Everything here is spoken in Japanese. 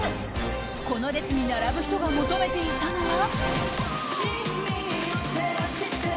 この列に並ぶ人が求めていたのは。